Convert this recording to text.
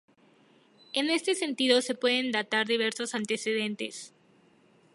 En este sentido, se pueden datar diversos antecedentes.